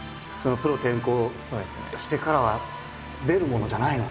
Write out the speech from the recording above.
プロ転向してからは出るものじゃないのか。